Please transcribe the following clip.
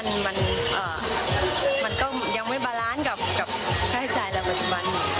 แต่ว่ายังไม่บาลานซ์กับข้าให้จ่ายในปัจจุบัน